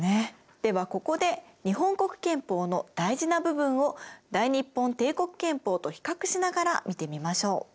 ではここで日本国憲法の大事な部分を大日本帝国憲法と比較しながら見てみましょう。